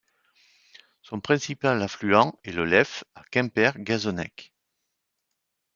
Son principal affluent est le Leff, à Quemper-Guézennec.